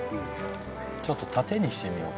ちょっと縦にしてみようか。